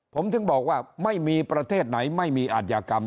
ผมถึงบอกว่าไม่มีประเทศไหนไม่มีอาธิกรรม